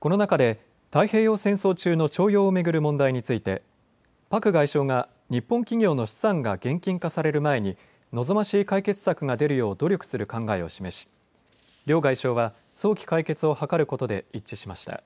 この中で太平洋戦争中の徴用を巡る問題についてパク外相が日本企業の資産が現金化される前に望ましい解決策が出るよう努力する考えを示し両外相は早期解決を図ることで一致しました。